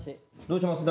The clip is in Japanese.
どうします？